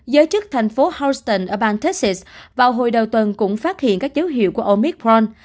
giới chức thành phố houston ở bang tex vào hồi đầu tuần cũng phát hiện các dấu hiệu của omithron